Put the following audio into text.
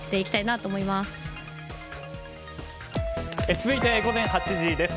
続いて午前８時です。